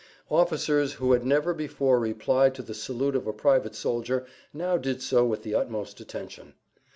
Officers who had never before replied to the salute of a private soldier now did so with the utmost attention.